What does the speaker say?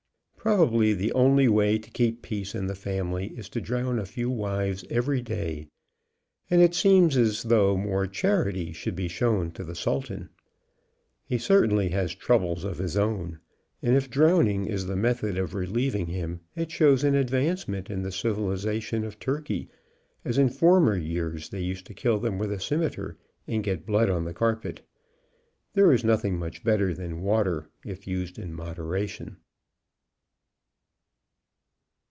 Probably the only way to keep peace in the family is to drown a few wives every day, and it seems as though more charity should be shown to the Sultan. He certainly has troubles of his own, and if drowning is the method of relieving him it shows an advance ment in the civilization of Turkey, as in former years 138 . HOW UNCLE CHARLEY MADE AN APPLE PIE they used to kill them with a scimeter, and get blood on the carpet. There is nothing much better than water, if used in moderation.